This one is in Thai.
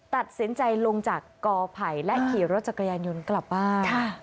ตัดสินใจลงจากกอไผ่และขี่รถจักรยานยนต์กลับบ้าน